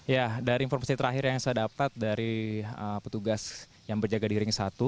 ya dari informasi terakhir yang saya dapat dari petugas yang berjaga di ring satu